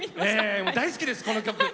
大好きですこの曲。